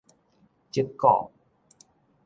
燭鼓